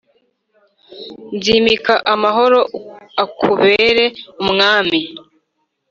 nzimika amahoro akubere umwami,